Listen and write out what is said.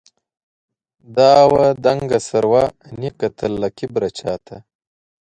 دا وه دنګه سروه، نې کتل له کبره چاته